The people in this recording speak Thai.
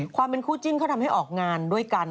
ความเป็นคู่จิ้นเขาทำให้ออกงานด้วยกัน